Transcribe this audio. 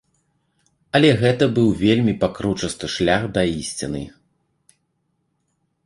Але гэта быў вельмі пакручасты шлях да ісціны.